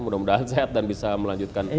mudah mudahan sehat dan bisa melanjutkan